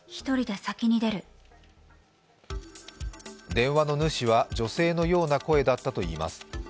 電話の主は女性のような声だったといいます。